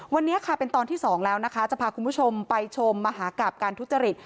วันนี้ค่ะเป็นตอนที่๒แล้วนะคะจะพาคุณผู้ชมไปชมมหากราบการทุจริต